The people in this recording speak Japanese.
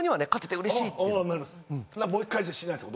もう１回戦しないんですか？